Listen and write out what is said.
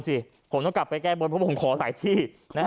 ผมก็จะไปแก้บนเพราะผมขอหลายที่